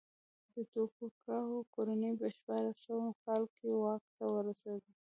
د توکوګاوا کورنۍ په شپاړس سوه کال کې واک ته ورسېده.